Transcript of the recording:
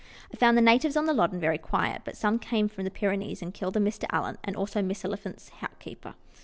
I found the natives on the Loddon very quiet ; but some came doAvn from the Pyrenees and killed a Mr. Allan, and also Mr. Oliphant's hut keeper.